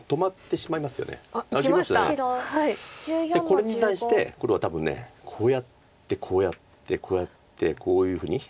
これに対して黒は多分こうやってこうやってこうやってこういうふうに。